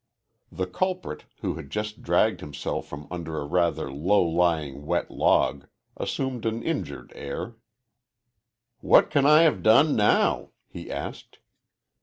The culprit, who had just dragged himself from under a rather low lying wet log, assumed an injured air. "What can I have done, now?" he asked.